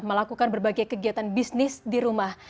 melakukan berbagai kegiatan bisnis di rumah